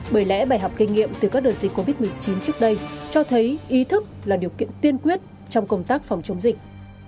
bởi lẽ bài học kinh nghiệm từ các đợt dịch covid một mươi chín trước đây cho thấy ý thức là điều kiện tiên quyết trong công tác phòng chống dịch